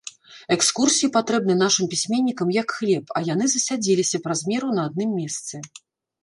Экскурсіі патрэбны нашым пісьменнікам як хлеб, а яны засядзеліся праз меру на адным месцы.